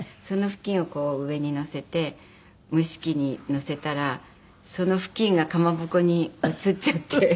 そのふきんをこう上にのせて蒸し器にのせたらその「ふきん」がかまぼこに写っちゃって。